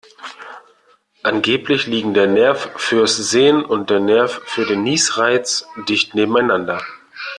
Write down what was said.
Angeblich liegen der Nerv fürs Sehen und der für den Niesreiz dicht nebeneinander.